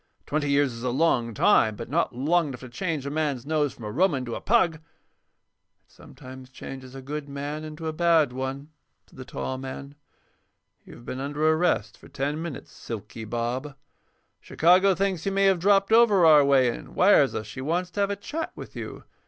"Twenty years is a long time, but not long enough to change a man's nose from a Roman to a pug." "It sometimes changes a good man into a bad one," said the tall man. "You've been under arrest for ten minutes, 'Silky' Bob. Chicago thinks you may have dropped over our way and wires us she wants to have a chat with you.